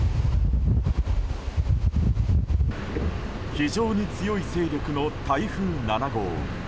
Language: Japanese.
非常に強い勢力の台風７号。